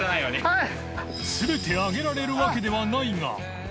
はい。